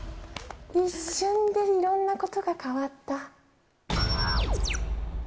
一瞬でいろんなことが変わった。